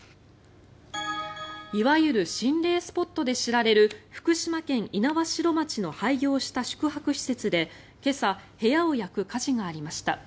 いわゆる心霊スポットで知られる福島県猪苗代町の廃業した宿泊施設で今朝、部屋を焼く火事がありました。